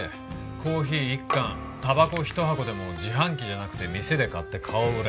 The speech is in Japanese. コーヒー１缶たばこ１箱でも自販機じゃなくて店で買って顔を売れ